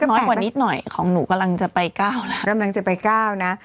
น้อยหน่อยของหนูกำลังจะไป๙นะ